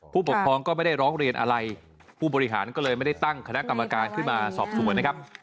ผู้ปกครองก็ไม่ได้ร้องเรียนอะไรผู้บริหารก็เลยไม่ได้ตั้งคณะกรรมการขึ้นมาสอบสวนนะครับ